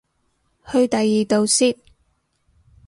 去第二度先